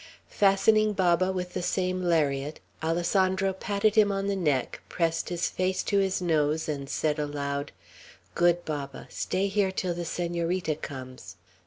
Fastening Baba with the same lariat, Alessandro patted him on the neck, pressed his face to his nose, and said aloud, "Good Baba, stay here till the Senorita comes."